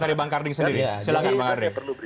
dari bang karding sendiri silahkan pak karding